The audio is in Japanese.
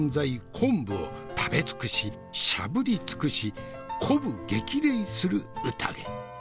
昆布を食べ尽くししゃぶり尽くし鼓舞激励する宴。